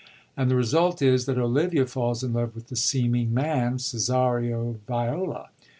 And the result is, that Olivia falls in love with the seeming man, Cesario Viola.